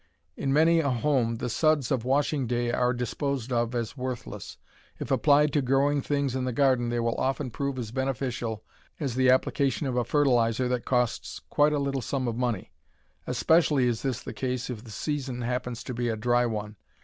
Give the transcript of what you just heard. In many a home the "suds" of washing day are disposed of as worthless. If applied to growing things in the garden they will often prove as beneficial as the application of a fertilizer that costs quite a little sum of money. Especially is this the case if the season happens to be a dry one.